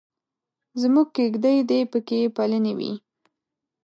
زموږ کېږدۍ دې پکې پلنې وي.